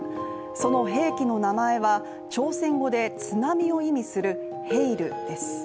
その兵器の名前は、朝鮮語で津波を意味するヘイルです。